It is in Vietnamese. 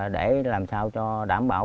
để làm sao cho đảm bảo